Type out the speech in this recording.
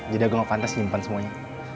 jadi aku gak pantas nyimpen semuanya